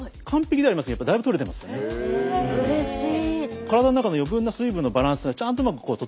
うれしい。